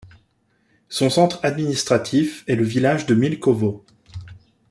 Son centre administratif est le village de Milkovo.